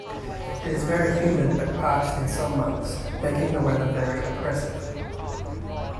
It is very humid but parched in some months, making the weather very oppressive.